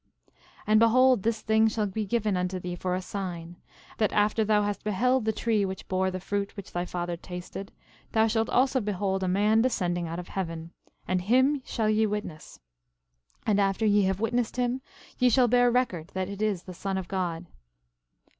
11:7 And behold this thing shall be given unto thee for a sign, that after thou hast beheld the tree which bore the fruit which thy father tasted, thou shalt also behold a man descending out of heaven, and him shall ye witness; and after ye have witnessed him ye shall bear record that it is the Son of God.